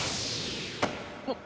あっ。